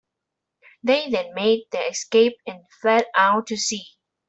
They then made their escape and fled out to sea.